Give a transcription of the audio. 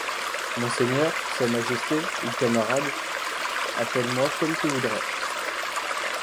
Monseigneur, sa majesté, ou camarade, appelle-moi comme tu voudras.